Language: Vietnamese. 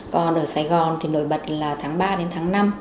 còn ở sài gòn thì nổi bật là tháng ba đến tháng năm